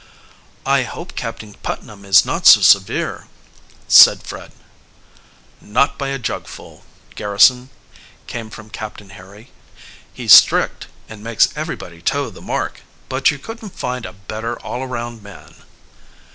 "I hope Captain Putnam is not so severe," said Fred. "Not by a jugful, Garrison," came from Captain Harry. "He's strict, and makes everybody toe the mark, but you couldn't find a better all around man."